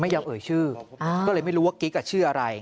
ยอมเอ่ยชื่อก็เลยไม่รู้ว่ากิ๊กชื่ออะไร